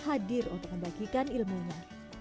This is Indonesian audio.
hadir untuk membagikan ilmunya